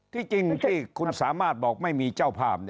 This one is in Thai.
ที่จริงที่คุณสามารถบอกไม่มีเจ้าภาพ